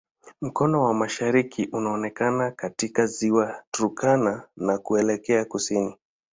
Mkono wa mashariki unaonekana katika Ziwa Turkana na kuelekea kusini.